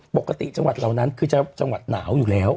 ปกติจังหวัดเหล่านั้นคือจะจังหวัดหนาวอยู่แล้ว